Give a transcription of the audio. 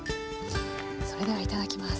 それではいただきます。